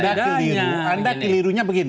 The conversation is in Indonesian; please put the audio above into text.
anda kelirunya begini